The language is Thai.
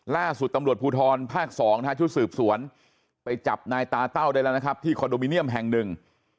ล่าสุดตำรวจภูทรภาค๒นะฮะชุดสืบสวนไปจับนายตาเต้าได้แล้วนะครับที่คอนโดมิเนียมแห่งหนึ่ง